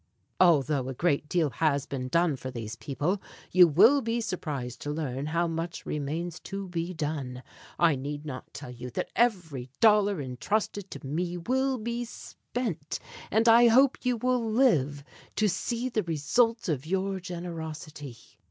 "Although a great deal has been done for these people, you will be surprised to learn how much remains to be done. I need not tell you that every dollar intrusted to me will be spent, and I hope you will live to see the result of your generosity.